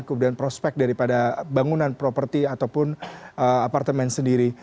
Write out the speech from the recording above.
kemudian prospek daripada bangunan properti ataupun apartemen sendiri